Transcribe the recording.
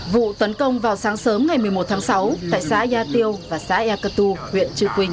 vụ tấn công vào sáng sớm ngày một mươi một tháng sáu tại xã ea tiêu và xã ea cơ tu huyện trư quynh